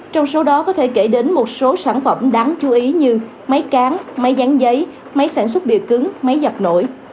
trong số đó có thể kể đến một số sản phẩm đáng chú ý như máy cán máy gián giấy máy sản xuất bìa cứng máy giặc nổi